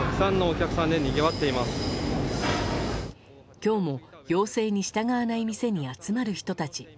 今日も要請に従わない店に集まる人たち。